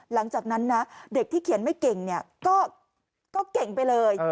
หลังจากนั้นนะเด็กที่เขียนไม่เก่งเนี่ยก็เก่งไปเลย